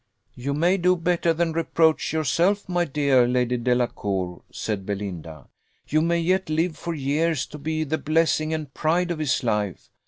"You may do better than reproach yourself, my dear Lady Delacour," said Belinda; "you may yet live for years to be the blessing and pride of his life.